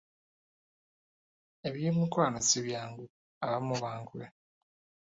Eby’emikwano si byangu, abamu ba nkwe.